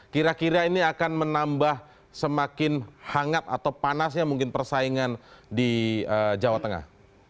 kira kira ini akan menambah semakin hangat atau panasnya mungkin persaingan di jawa tengah